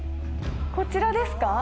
こちらですか？